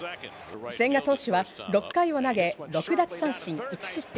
千賀投手は６回を投げ、６奪三振１失点。